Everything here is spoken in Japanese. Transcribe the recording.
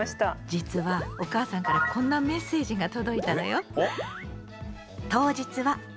実はお母さんからこんなメッセージが届いたのよ。